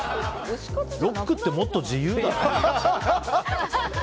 ロックってもっと自由だろ！